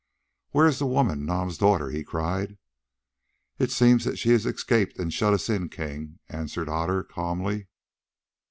"Where is the woman, Nam's daughter?" he cried. "It seems that she has escaped and shut us in, King," answered Otter, calmly.